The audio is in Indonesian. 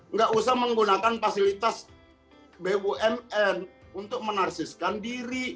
nggak usah menggunakan fasilitas bumn untuk menarsiskan diri